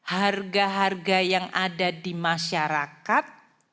harga harga yang ada di masyarakat